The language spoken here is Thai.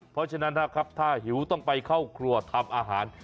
เพราะฉะนั้นนะครับถ้าหิวต้องไปเข้าครัวทำอาหาร